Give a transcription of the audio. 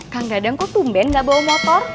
kang gadang kok tumben gak bawa motor